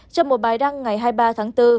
trong một bài đăng ngày hai mươi ba tháng bốn